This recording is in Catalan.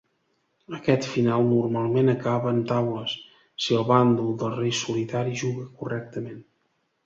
Aquest final normalment acaba en taules si el bàndol del rei solitari juga correctament.